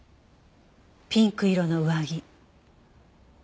ピンク色の上着。